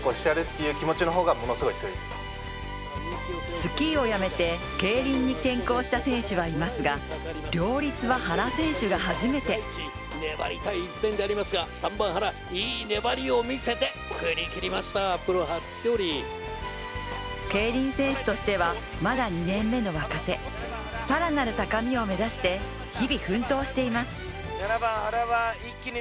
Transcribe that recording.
スキーをやめて競輪に転向した選手はいますが、両立は原選手が初めて競輪選手としては、まだ２年目の若手、さらなる高みを目指して日々奮闘しています。